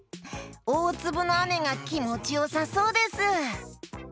おおつぶのあめがきもちよさそうです！